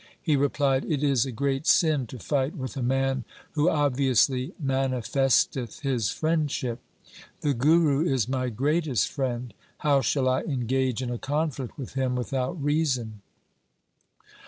He replied, ' It is a great sin to fight with a man who obviously manifesteth his friendship. The Guru is my greatest friend. How shall I engage in a conflict with him without reason